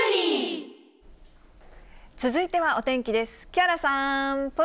続いてはお天気です。